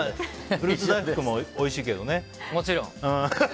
フルーツ大福もおいしいけどね。